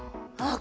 あ。